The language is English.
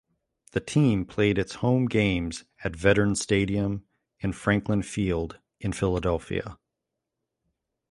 The team played its home games at Veterans Stadium and Franklin Field in Philadelphia.